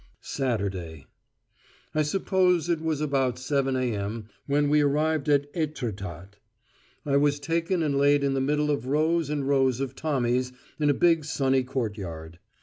SATURDAY I suppose it was about 7.0 a.m. when we arrived at Étretat. I was taken and laid in the middle of rows and rows of Tommies in a big sunny courtyard.